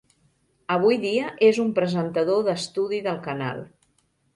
Avui dia, és un presentador d'estudi del canal.